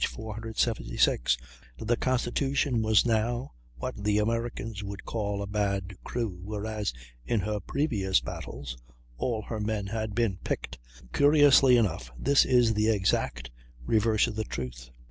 476) the Constitution had now "what the Americans would call a bad crew," whereas, in her previous battles, all her men had been "picked." Curiously enough, this is the exact reverse of the truth.